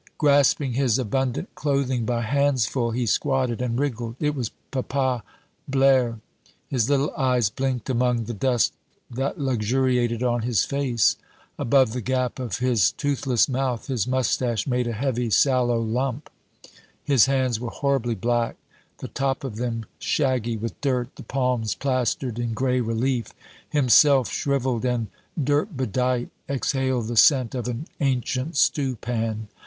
Grasping his abundant clothing by handsful, he squatted and wriggled. It was Papa Blaire. His little eyes blinked among the dust that luxuriated on his face. Above the gap of his toothless mouth, his mustache made a heavy sallow lump. His hands were horribly black, the top of them shaggy with dirt, the palms plastered in gray relief. Himself, shriveled and dirtbedight, exhaled the scent of an ancient stewpan.